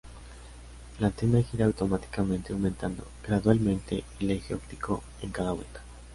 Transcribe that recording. La antena gira automáticamente, aumentando gradualmente, el eje óptico en cada vuelta.